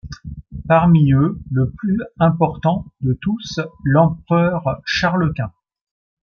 Parmi eux, le plus important de tous, l'Empereur Charles Quint.